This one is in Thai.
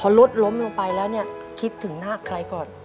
รถล้มลงไปแล้วเนี่ยคิดถึงหน้าใครก่อน